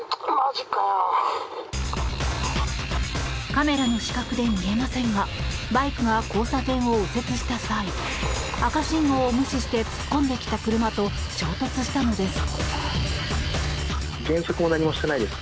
カメラの死角で見えませんがバイクを交差点を右折した際赤信号を無視して突っ込んできた車と衝突したのです。